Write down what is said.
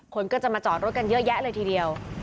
คนก็จะมาจอดรถกันเยอะแยะเลยทีเดียว